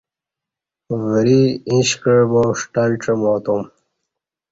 وری اش کعہ با ݜٹلہ ڄماتوم